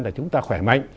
là chúng ta khỏe mạnh